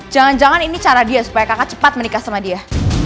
jangan jangan ini cara dia supaya kakak cepat menikah sama dia